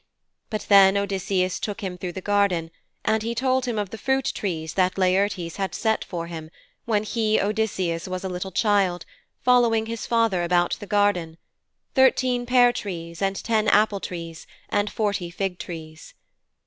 But then Odysseus took him through the garden, and he told him of the fruit trees that Laertes had set for him when he, Odysseus, was a little child, following his father about the garden thirteen pear trees, and ten apple trees, and forty fig trees.